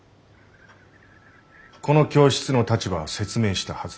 この教室の立場は説明したはずだ。